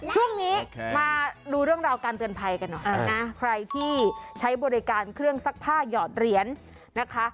ช่วงนี้มาดูเรื่องราวการเตือนภัยกันหน่อยนะใครที่ใช้บริการเครื่องซักผ้าหยอดเหรียญนะคะ